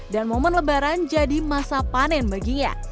dan momen lebaran jadi masa panen baginya